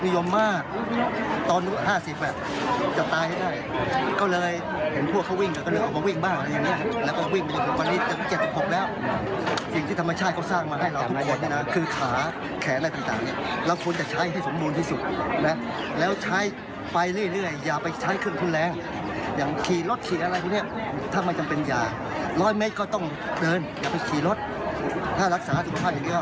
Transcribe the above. อย่าไปขี่รถถ้ารักษาสุขภาพอย่างเดียวก็คุณคุณก็จะดี